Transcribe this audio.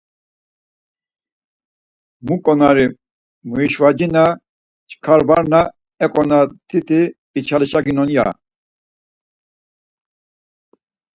Mu ǩonari muyişvacina çkar varna e ǩonariti içalişaginon, ya...